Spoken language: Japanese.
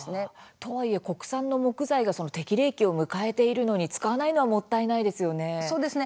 とはいえ国産の木材が適齢期を迎えているのに使わないのはもったいないですね。